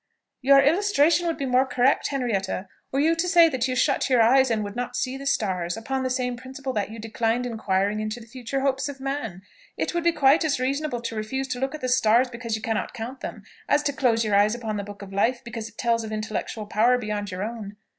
"Your illustration would be more correct, Henrietta, were you to say that you shut your eyes and would not see the stars, upon the same principle that you declined inquiring into the future hopes of man. It would be quite as reasonable to refuse to look at the stars because you cannot count them, as to close your eyes upon the book of life because it tells of intellectual power beyond your own.